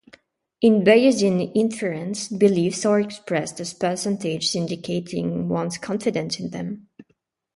In Bayesian inference, beliefs are expressed as percentages indicating one's confidence in them.